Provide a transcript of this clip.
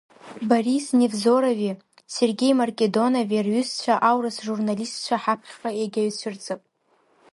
Борис Невзорови Сергеи Маркедонови рҩызцәа аурыс журналистцәа ҳаԥхьаҟа егьаҩ цәырҵып.